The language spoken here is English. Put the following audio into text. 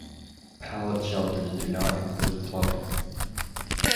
Pallet shelters do not include plumbing.